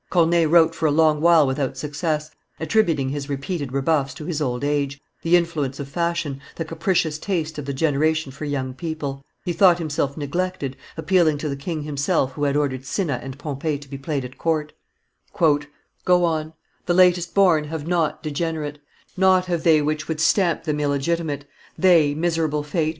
Corneille wrote for a long while without success, attributing his repeated rebuffs to his old age, the influence of fashion, the capricious taste of the generation for young people; he thought himself neglected, appealing to the king himself, who had ordered Cinna and Pompee to be played at court: "Go on; the latest born have naught degenerate, Naught have they which would stamp them illegitimate They, miserable fate!